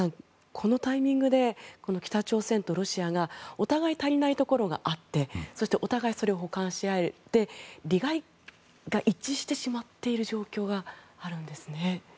このタイミングで北朝鮮とロシアがお互い足りないところがあってそしてお互いそれを補完しあえて利害が一致してしまっている状況があるんですね。